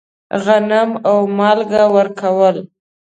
غنم او مالګه ورکول.